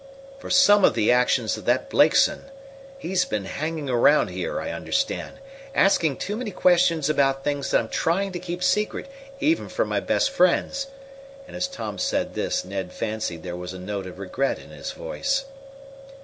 "For some of the actions of that Blakeson. He's been hanging around here, I understand, asking too many questions about things that I'm trying to keep secret even from my best friends," and as Tom said this Ned fancied there was a note of regret in his voice.